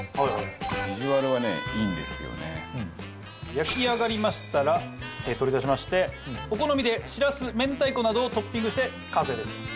焼き上がりましたら取り出しましてお好みでしらす明太子などをトッピングして完成です。